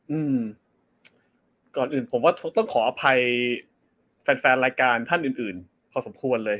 อืมก่อนอื่นผมว่าต้องขออภัยแฟนแฟนรายการท่านอื่นอื่นพอสมควรเลย